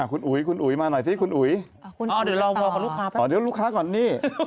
คุณอุ๋ยคุณอุ๋ยมาหน่อยที่คุณอุ๋ยอ๋อเดี๋ยวลูกค้าก่อนนี่